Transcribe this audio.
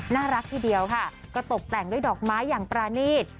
น่ารักทีเดียวค่ะก็ตกแต่งด้วยดอกไม้อย่างปรานีต